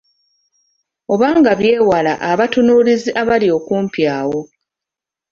Oba nga byewala abatunuulizi abali okumpi awo.